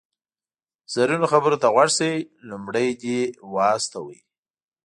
زرینو خبرو ته غوږ شئ، لومړی دې و استوئ.